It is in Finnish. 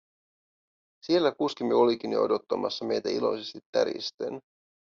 Siellä kuskimme olikin jo odottamassa meitä iloisesti täristen.